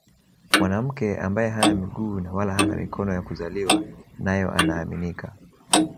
Mwanamke ambaye hana miguu na wala hana mikono ya kuzaliwa nayo anaaminika